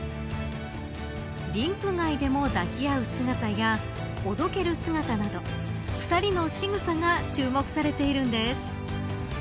リンク外でも抱き合う姿やおどける姿など２人のしぐさが注目されているんです。